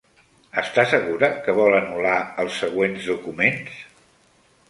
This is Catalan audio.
Esta segura que vol anul·lar els següents documents?